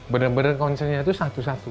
benar benar konsennya itu satu satu